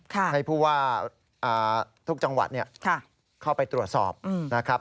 ให้ผู้ว่าทุกจังหวัดเข้าไปตรวจสอบนะครับ